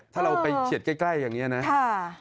ถ้าเราไปเฉียดใกล้อย่างนี้นะ